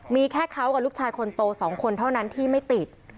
มีแค่เขากับลูกชายคนโต๒คนเท่านั้นที่ไม่ติด